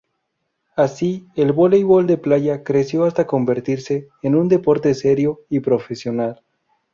Así, el voleibol de playa creció hasta convertirse en un deporte serio y profesional.